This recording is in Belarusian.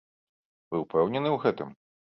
Вы ўпэўнены ў гэтым?